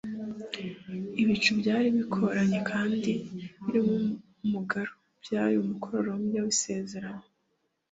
Ibicu byari bikorakoranye kandi birimo umugaru, byarimo umukororombya w'isezerano.